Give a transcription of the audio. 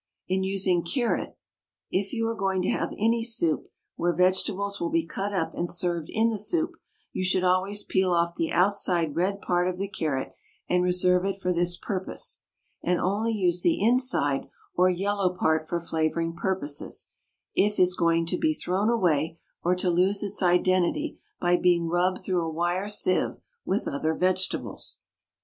In using carrot, if you are going to have any soup where vegetables will be cut up and served in the soup, you should always peel off the outside red part of the carrot and reserve it for this purpose, and only use the inside or yellow part for flavouring purposes if is going to be thrown away or to lose its identity by being rubbed through a wire sieve with other vegetables.